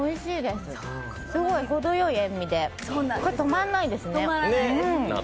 すごい程良い塩味で、止まらないですね。